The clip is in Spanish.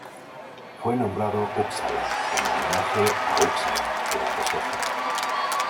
Fue nombrado Uppsala en homenaje a Upsala ciudad de Suecia.